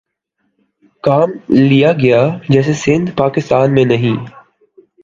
کام لیا گیا جیسے سندھ پاکستان میں نہیں